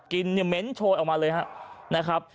เนี่ยเม้นโชยออกมาเลยนะครับ